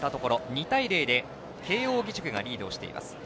２対０で慶応義塾がリードしています。